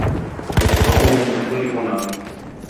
أخوه مختلف عنه.